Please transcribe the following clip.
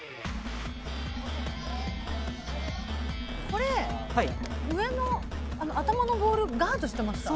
これ上の頭のボールガードしてました？